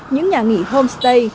những nhà nghỉ homestay